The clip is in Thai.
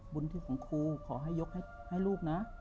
ที่ของครูขอให้ยกให้ลูกนะ